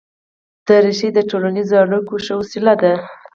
دریشي د ټولنیزو اړیکو ښه وسیله ده.